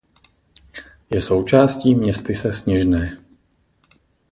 Je součástí městyse Sněžné.